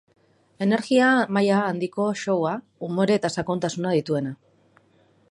Energia maila handiko showa, umore eta sakontasuna dituena.